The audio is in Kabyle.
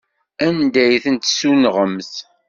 Anda ay ten-tessunɣemt?